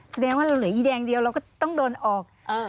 แสดงว่าเราเหลืออีแดงเดียวเราก็ต้องโดนออก